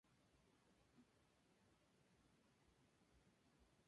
En total se montan alrededor de veinte escenarios por toda la ciudad.